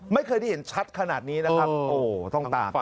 ไม่เคยได้เห็นชัดขนาดนี้นะครับโอ้โหต้องตาม